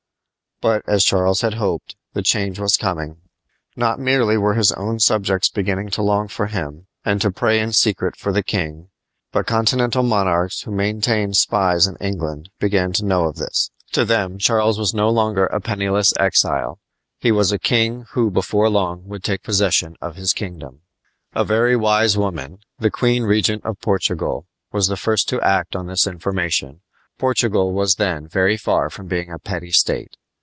But, as Charles had hoped, the change was coming. Not merely were his own subjects beginning to long for him and to pray in secret for the king, but continental monarchs who maintained spies in England began to know of this. To them Charles was no longer a penniless exile. He was a king who before long would take possession of his kingdom. A very wise woman the Queen Regent of Portugal was the first to act on this information. Portugal was then very far from being a petty state.